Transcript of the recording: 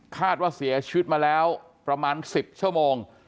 คาดว่าเสียชีวิตมาแล้วประมาณ๑๐ชั่วโมง